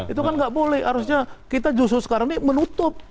itu kan nggak boleh harusnya kita justru sekarang ini menutup